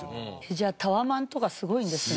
じゃあタワマンとかすごいんですね。